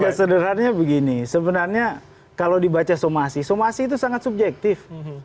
ya sederhananya begini sebenarnya kalau dibaca somasi somasi itu sangat subjektif